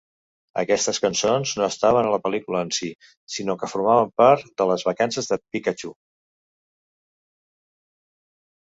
Aquestes cançons no estaven a la pel·lícula en sí, sinó que formaven part de "Les vacances de Pikachu".